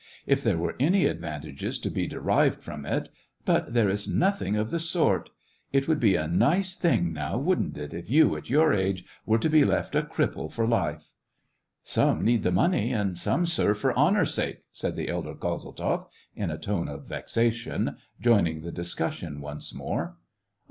If there were any advantages to be derived from it, but there is nothing of the sort. It would be a 164 SEVASTOPOL IN AUGUST. nice thing, now, wouldn't it, if you, at your age, were to be left a cripple for life !"" Some need the money, and some serve for honor's sake !" said the elder Kozeltzoff, in a tone of vexation, joining the discussion once more.